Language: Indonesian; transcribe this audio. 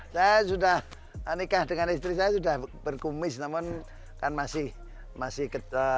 saya sudah nikah dengan istri saya sudah berkumis namun kan masih